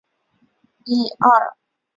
此事引起了秘密印刷厂警惕。